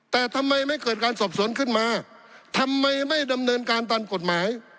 แต่ทำไมไม่เกิดการสอบสวนขึ้นมาทำไมไม่ดำเนินการตามกฎหมาย